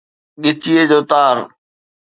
ڳچيءَ جو تار